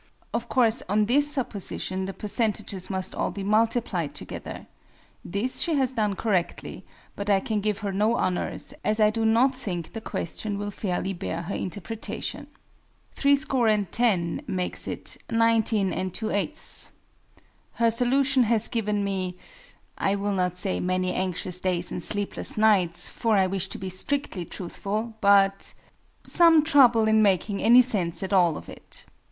Of course, on this supposition, the percentages must all be multiplied together. This she has done correctly, but I can give her no honours, as I do not think the question will fairly bear her interpretation, THREE SCORE AND TEN makes it "19 and 3/8ths." Her solution has given me I will not say "many anxious days and sleepless nights," for I wish to be strictly truthful, but some trouble in making any sense at all of it.